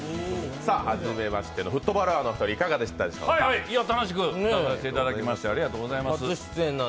初めましてのフットボールアワーのお二人、いかがでしたでしょうか？